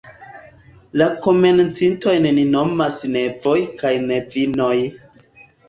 La komencintojn ni nomas "nevoj" kaj "nevinoj".